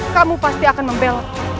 kamu pasti akan membelak